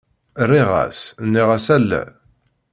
Rriɣ-as,-nniɣ-as ala.